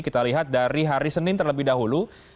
kita lihat dari hari senin terlebih dahulu